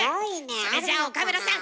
それじゃあ岡村さん